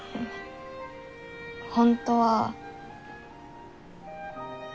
本当は。